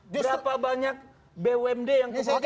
berapa banyak bumd yang kemudian